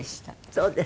そうですか。